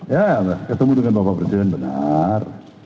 ya ketemu dengan bapak presiden benar